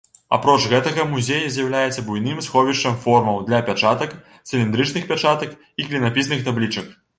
Апроч гэтага, музей з'яўляецца буйным сховішчам формаў для пячатак, цыліндрычных пячатак і клінапісных таблічак.